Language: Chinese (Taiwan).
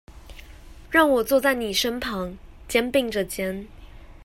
讓我坐在妳身旁，肩並著肩